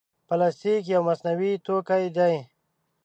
پلاستيک یو مصنوعي توکي دی.